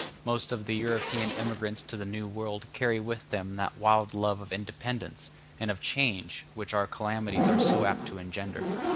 Most of the European emigrants to the New World carry with them that wild love of independence and of change which our calamities are so apt to engender.